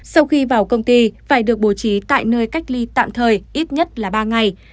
sau khi vào công ty phải được bố trí tại nơi cách ly tạm thời ít nhất là ba ngày